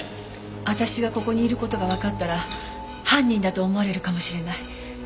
私がここにいる事がわかったら犯人だと思われるかもしれない。